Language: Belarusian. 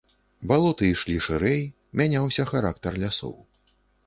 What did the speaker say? Балоты ішлі шырэй, мяняўся характар лясоў.